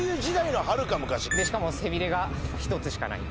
しかも背びれが１つしかない。